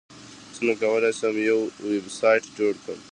څنګه کولی شم یو ویبسایټ جوړ کړم